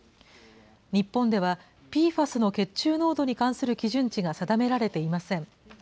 日本ではＰＦＡＳの血中濃度に関する基準値が定められていません。